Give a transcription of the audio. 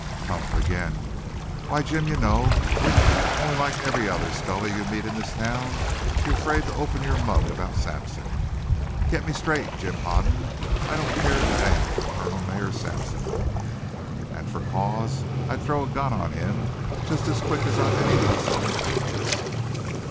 "Humph again! Why, Jim, you know it, only like every other scully you meet in this town, you're afraid to open your mug about Sampson. Get me straight, Jim Hoden. I don't care a damn for Colonel Mayor Sampson. And for cause I'd throw a gun on him just as quick as on any rustler in Pecos."